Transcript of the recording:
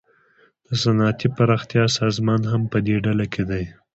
د صنعتي پراختیا سازمان هم پدې ډله کې دی